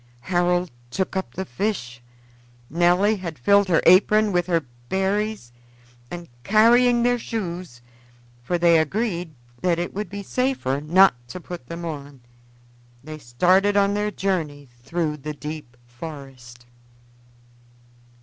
Harold took up the fish, Nelly had filled her apron with the berries, and carrying their shoes for they agreed that it would be safer not to put them on they started on their journey through the deep forest.